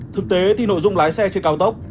thực tế thì nội dung lái xe trên cao tốc